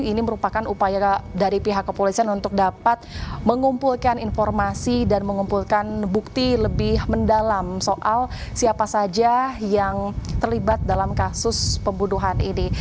ini merupakan upaya dari pihak kepolisian untuk dapat mengumpulkan informasi dan mengumpulkan bukti lebih mendalam soal siapa saja yang terlibat dalam kasus pembunuhan ini